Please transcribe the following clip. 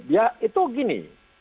ya itu begini